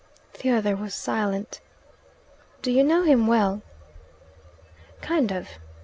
The other was silent. "Do you know him well?" "Kind of."